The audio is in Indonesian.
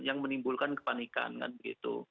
yang menimbulkan kepanikan kan begitu